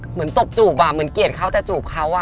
เหมือนตบจูบอะเหมือนเกลียดเขาแต่จูบเขาอะ